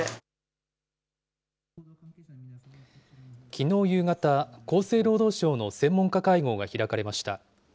きのう夕方、厚生労働省の専門家会合が開かれました。